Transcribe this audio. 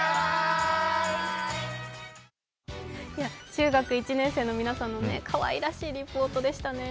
中学１年生の皆さんのかわいらしいリポートでしたね。